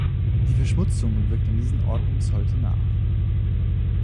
Die Verschmutzung wirkt an diesen Orten bis heute nach.